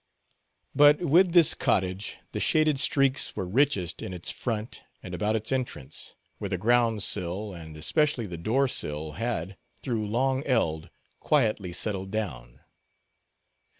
But with this cottage, the shaded streaks were richest in its front and about its entrance, where the ground sill, and especially the doorsill had, through long eld, quietly settled down.